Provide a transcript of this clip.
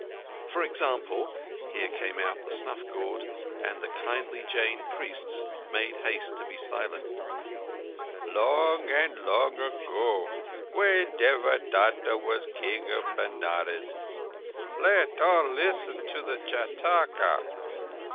For example (here came out the snuff gourd, and the kindly Jain priests made haste to be silent): "Long and long ago, when Devadatta was King of Benares—let all listen to the _Jâtaka!